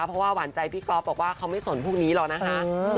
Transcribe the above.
เพราะว่าหวานใจพี่ก๊อฟบอกว่าเขาไม่สนพวกนี้หรอกนะคะ